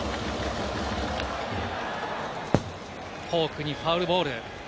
フォークにファウルボール。